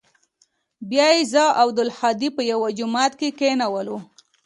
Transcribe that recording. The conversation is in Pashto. بيا يې زه او عبدالهادي په يوه جماعت کښې کښېنولو.